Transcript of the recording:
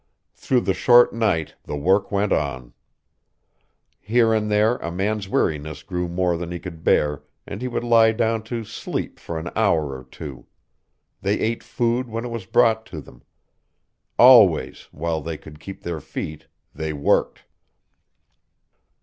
Through the short night the work went on. Here and there a man's weariness grew more than he could bear, and he would lie down to sleep for an hour or two. They ate food when it was brought to them. Always, while they could keep their feet, they worked.